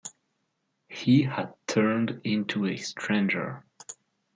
He had turned into a stranger.